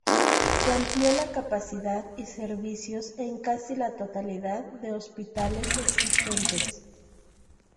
Se amplió la capacidad y servicios en casi la totalidad de hospitales existentes.